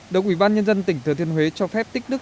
đồng ubnd tỉnh thừa thiên huế cho phép tích nước